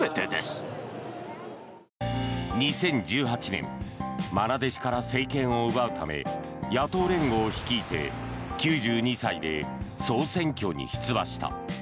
２０１８年まな弟子から政権を奪うため野党連合を率いて９２歳で総選挙に出馬した。